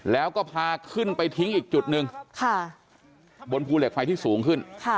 แล้วก็พาขึ้นไปทิ้งอีกจุดหนึ่งบนภูเหล็กไฟที่สูงขึ้น